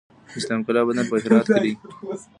د اسلام قلعه بندر په هرات کې دی